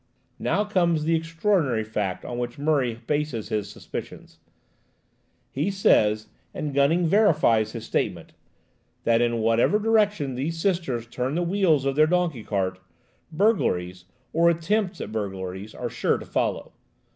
Now comes the extraordinary fact on which Murray bases his suspicions. He says, and Gunning verifies his statement, that in whatever direction those Sisters turn the wheels of their donkey cart, burglaries, or attempts at burglaries, are sure to follow.